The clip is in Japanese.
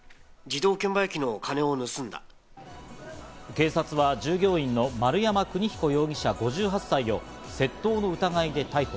警察は従業員の丸山国彦容疑者、５８歳を窃盗の疑いで逮捕。